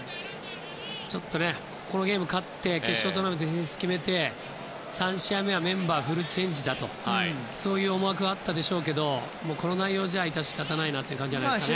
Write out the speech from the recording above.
ちょっとこのゲームに勝って決勝トーナメント進出決めて３試合目はメンバーフルチェンジだとそういう思惑があったでしょうがこの内容じゃ致し方ない感じがしますね。